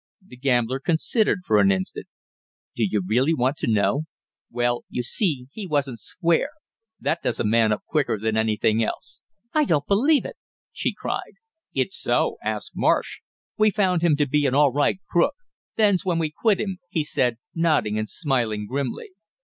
The gambler considered for an instant. "Do you really want to know? Well, you see he wasn't square; that does a man up quicker than anything else." "I don't believe it!" she cried. "It's so, ask Marsh; we found him to be an all right crook; then's when we quit him," he said, nodding and smiling grimly.